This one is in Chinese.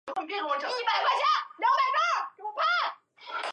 簇花蛇根草为茜草科蛇根草属的植物。